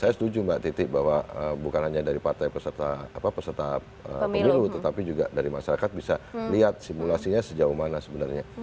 saya setuju mbak titi bahwa bukan hanya dari partai peserta pemilu tetapi juga dari masyarakat bisa lihat simulasinya sejauh mana sebenarnya